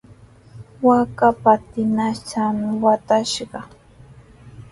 Waakaqa trinatami watrashqa.